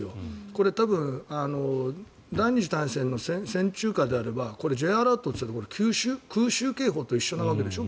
これ、第２次大戦の戦中下であればＪアラートって空襲警報と一緒なわけでしょ